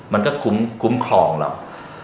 มันก็คุ้มครองเรา